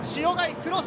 クロス！